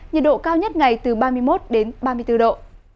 nhiệt độ cao nhất ngày từ ba mươi một đến ba mươi bốn độ